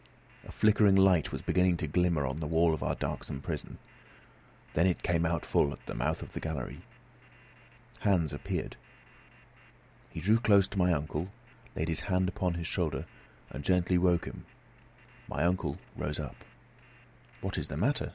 A flickering light was beginning to glimmer on the wall of our darksome prison; then it came out full at the mouth of the gallery. Hans appeared. He drew close to my uncle, laid his hand upon his shoulder, and gently woke him. My uncle rose up. "What is the matter?"